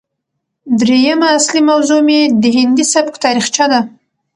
درييمه اصلي موضوع مې د هندي سبک تاريخچه ده